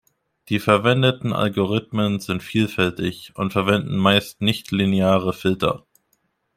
Die verwendeten Algorithmen sind vielfältig und verwenden meist nichtlineare Filter.